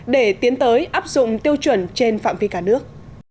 để tiến tới áp dụng tiêu chuẩn trên phạm vi cả nước